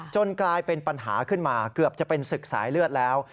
กลายเป็นปัญหาขึ้นมาเกือบจะเป็นศึกสายเลือดแล้ว